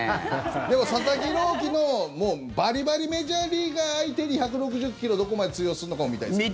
でも佐々木朗希のバリバリメジャーリーガー相手に１６０ｋｍどこまで通用するのか見たいですよね。